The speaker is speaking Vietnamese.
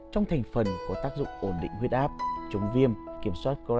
trong thành phần có tác dụng ổn định huyết áp chống viêm kiểm soát cholesterol xấu